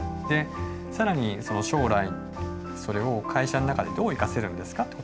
で更に将来それを会社の中でどう生かせるんですか？